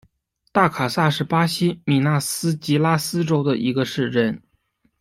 大卡萨是巴西米纳斯吉拉斯州的一个市镇。